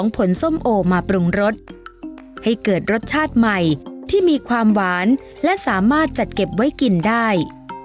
ผลส้มโอมาปรุงรสให้เกิดรสชาติใหม่ที่มีความหวานและสามารถจัดเก็บไว้กินได้